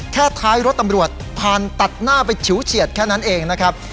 ท้ายรถตำรวจผ่านตัดหน้าไปฉิวเฉียดแค่นั้นเองนะครับ